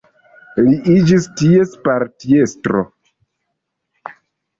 Li iĝis ties partiestro.